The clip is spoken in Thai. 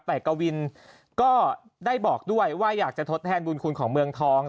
แต่กวินก็ได้บอกด้วยว่าอยากจะทดแทนบุญคุณของเมืองทอง